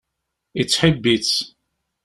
Yettḥibbi-tt.